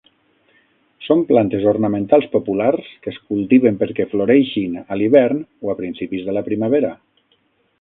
Són plantes ornamentals populars que es cultiven perquè floreixin a l'hivern o a principis de la primavera.